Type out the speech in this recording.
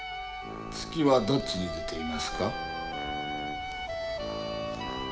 月はどっちに出ていますか？